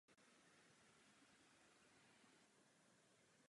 Vstup do vozu zajišťují troje dvoukřídlé výklopné dveře.